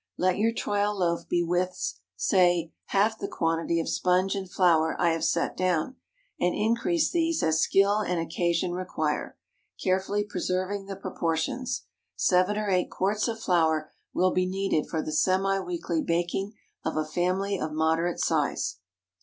Let your trial loaf be with say half the quantity of sponge and flour I have set down, and increase these as skill and occasion require, carefully preserving the proportions. Seven or eight quarts of flour will be needed for the semi weekly baking of a family of moderate size.